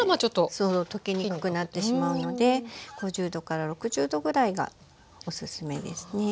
そう溶けにくくなってしまうので５０度から６０度ぐらいがおすすめですね。